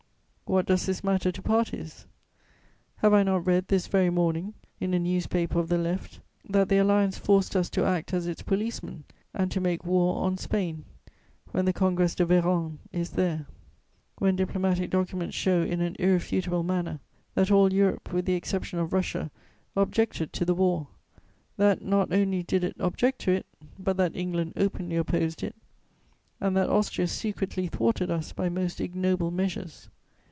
What does this matter to parties? Have I not read this very morning, in a newspaper of the Left, that the Alliance forced us to act as its policeman and to make war on Spain, when the Congrès de Vérone is there, when diplomatic documents show in an irrefutable manner that all Europe, with the exception of Russia, objected to the war; that not only did it object to it, but that England openly opposed it; and that Austria secretly thwarted us by most ignoble measures?